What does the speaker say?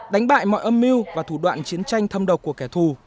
đánh bại mọi âm mưu và thủ đoạn chiến tranh thâm độc của kẻ thù